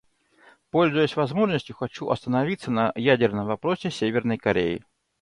Пользуясь возможностью, хочу остановиться на ядерном вопросе Северной Кореи.